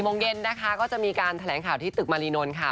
โมงเย็นนะคะก็จะมีการแถลงข่าวที่ตึกมารีนนท์ค่ะ